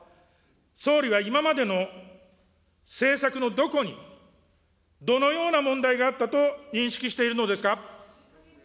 総理は今までの政策のどこに、どのような問題があったと認識しているのですか。